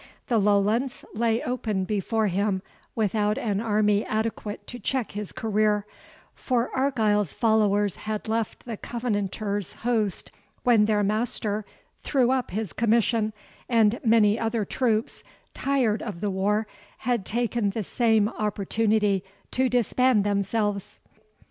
The Lowlands lay open before him without an army adequate to check his career; for Argyle's followers had left the Covenanters' host when their master threw up his commission, and many other troops, tired of the war, had taken the same opportunity to disband themselves.